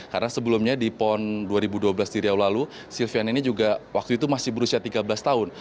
karena sebelumnya di pond dua ribu dua belas diriau lalu silviana ini juga waktu itu masih berusia tiga belas tahun